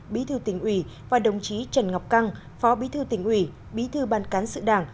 bí thư tỉnh ủy và đồng chí trần ngọc căng phó bí thư tỉnh ủy bí thư ban cán sự đảng